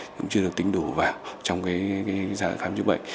cũng chưa được tính đủ vào trong cái giá khám chữa bệnh